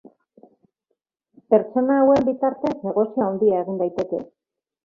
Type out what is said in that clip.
Pertsona hauen bitartez negozio handia egin daiteke.